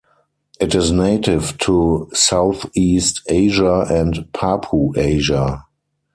It is native to Southeast Asia and Papuasia.